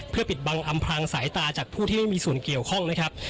เพื่อปิดบังอำพลางสายตาจากผู้ที่ไม่มีส่วนเกี่ยวข้องนะครับ